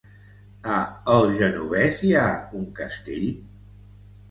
A el Genovés hi ha un castell?